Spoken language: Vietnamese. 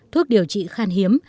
thuốc điều trị khan hiếm